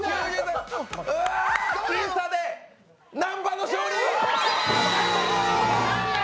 僅差で南波の勝利！！